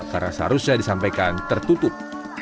karena seharusnya disampaikan tertutup